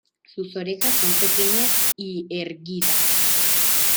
Sus orejas son pequeñas y erguidas.